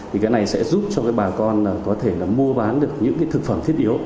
thì cái này sẽ giúp cho cái bà con có thể là mua bán được những cái thực phẩm thiết yếu